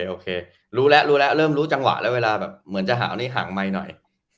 โอเครู้แล้วรู้แล้วเริ่มรู้จังหวะแล้วเวลาแบบเหมือนจะหาวนี่หางไมค์หน่อย